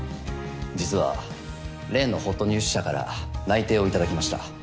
実は例のほっとニュース社から内定を頂きました。